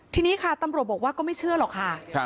ทีนี้ค่ะตำรวจบอกว่าก็ไม่เชื่อหรอกค่ะ